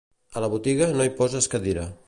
A la botiga no hi poses cadira.